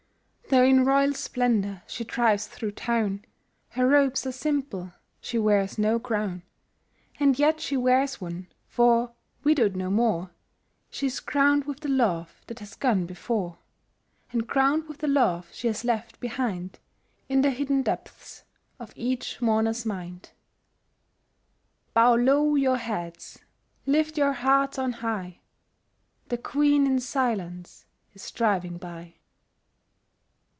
Though in royal splendour she drives through town, Her robes are simple, she wears no crown: And yet she wears one, for, widowed no more, She is crowned with the love that has gone before, And crowned with the love she has left behind In the hidden depths of each mourner's mind. Bow low your heads—lift your hearts on high— The Queen in silence is driving by!